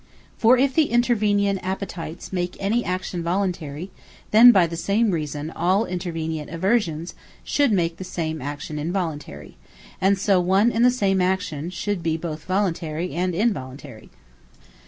For if the intervenient Appetites make any action Voluntary, then by the same reason all intervenient Aversions should make the same action Involuntary; and so one and the same action should be both Voluntary & Involuntary.